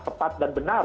tepat dan benar